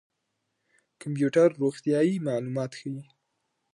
کمپيوټر روغتيايي معلومات ښيي.